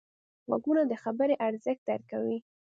غوږونه د خبرې ارزښت درک کوي